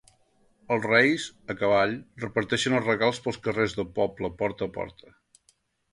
Els Reis, a cavall, reparteixen els regals pels carrers del poble porta a porta.